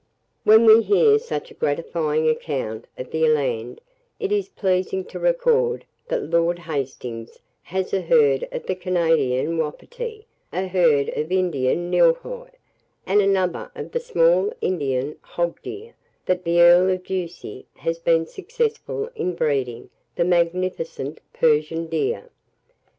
When we hear such a gratifying account of the eland, it is pleasing to record that Lord Hastings has a herd of the Canadian wapiti, a herd of Indian nylghaus, and another of the small Indian hog deer; that the Earl of Ducie has been successful in breeding the magnificent Persian deer.